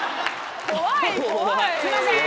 すいません！